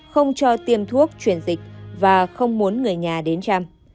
không cho tiêm thuốc chuyển dịch và không muốn người nhà đến chăm